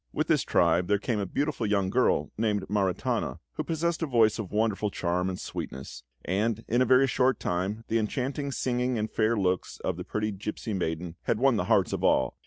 With this tribe there came a beautiful young girl, named Maritana, who possessed a voice of wonderful charm and sweetness; and in a very short time the enchanting singing and fair looks of the pretty gipsy maiden had won the hearts of all.